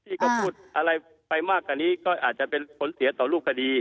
ที่เขาพูดอะไรไปมากกว่านี้ก็อาจจะเป็นผลเสียต่อรูปคดี